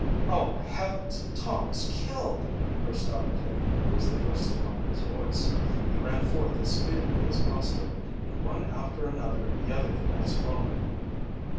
"Oh, Heavens, Tom is killed!" burst out Dick, who was the first to find his voice. He ran forth as speedily as possible, and one after another the other cadets followed.